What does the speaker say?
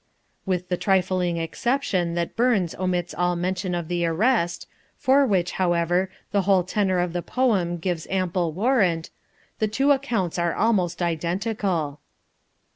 With the trifling exception that Burns omits all mention of the arrest, for which, however, the whole tenor of the poem gives ample warrant, the two accounts are almost identical.